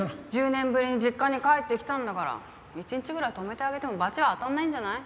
１０年ぶりに実家に帰ってきたんだから１日ぐらい泊めてあげても罰は当たんないんじゃない？